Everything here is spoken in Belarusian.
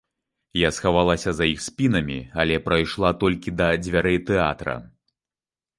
Я схавалася за іх спінамі, але прайшла толькі да дзвярэй тэатра.